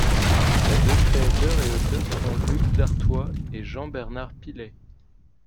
Ses deux créateurs et auteurs sont Luc Dartois et Jean-Bernard Pillet.